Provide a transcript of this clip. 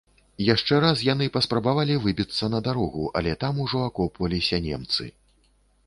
Яшчэ раз яны паспрабавалі выбіцца на дарогу, але там ужо акопваліся немцы.